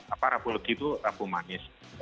apa rabu legi itu rabu manis